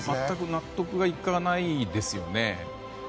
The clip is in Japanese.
全く納得がいかないんですよね。